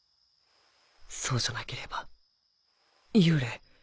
そうじゃなければ幽霊？